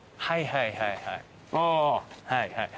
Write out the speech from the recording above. はいはいはいはい。